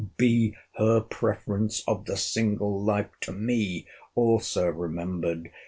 Be her preference of the single life to me also remembered!